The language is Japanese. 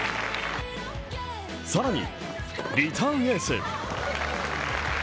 更に、リターンエース。